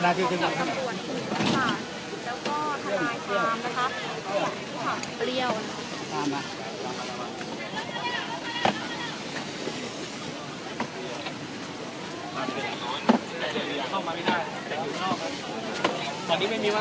แล้วก็ทางความนะครับความเปรี้ยว